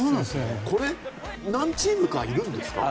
これ何チームかいるんですか。